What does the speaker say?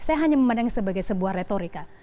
saya hanya memandang sebagai sebuah retorika